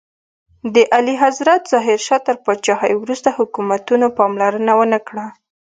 د اعلیحضرت ظاهر شاه تر پاچاهۍ وروسته حکومتونو پاملرنه ونکړه.